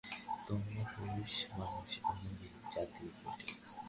তোমরা পুরুষমানুষ এমনি জাতই বটে।